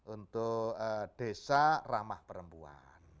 untuk desa ramah perempuan